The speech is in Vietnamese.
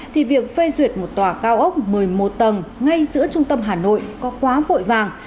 thì việc phê duyệt một tòa cao ốc một mươi một tầng ngay giữa trung tâm hà nội có quá vội vàng